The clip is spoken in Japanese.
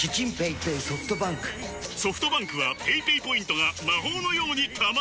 ソフトバンクはペイペイポイントが魔法のように貯まる！